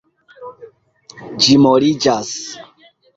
Ĝi moliĝas.